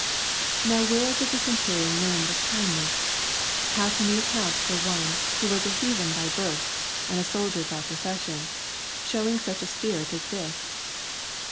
Now where did the centurion learn this kindness ? How can we account for one who was a heathen by birth, and a soldier by profession, showing such a spirit as this